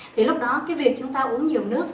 thì lúc đó cái việc chúng ta uống nhiều nước